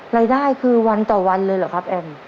รายได้คือวันต่อวันเลยเหรอครับแอม